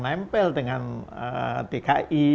nempel dengan dki